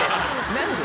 何で？